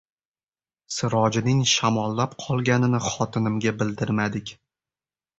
Sirojning shamollab qolganini xotinimga bildirmadik